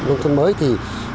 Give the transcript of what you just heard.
nông thôn mới